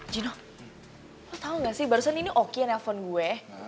jino lo tau gak sih barusan ini oki yang nelfon gue